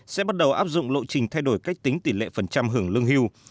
sẽ bắt đầu áp dụng lộ trình thay đổi cách tính tỷ lệ phần trăm hưởng lương hưu